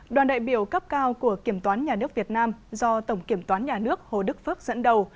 đoàn đại biểu cấp cao của kiểm toán nhà nước việt nam do tổng kiểm toán nhà nước hồ đức phước dẫn đầu